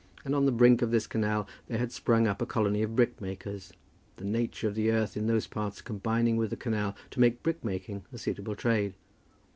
And on the brink of this canal there had sprung up a colony of brickmakers, the nature of the earth in those parts combining with the canal to make brickmaking a suitable trade.